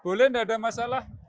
boleh enggak ada masalah